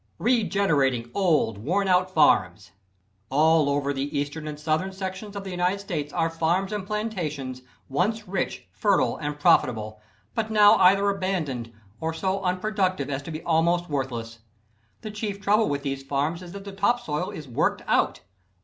Regenerating Old, Worn Out Farms. All over the Eastern and Southern sections of the United States are farms and plantations, once rich, fertile and profitable, but now either abandoned, or so unproductive as to be almost worthless. The chief trouble with these farms is that the top soil is worked out.